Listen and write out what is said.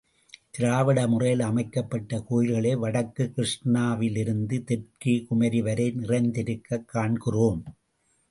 திராவிட முறையில் அமைக்கப்பட்ட கோயில்களே வடக்கே கிருஷ்ணாவிலிருந்து தெற்கே குமரி வரை நிறைந்திருக்கக் காண்கிறோம்.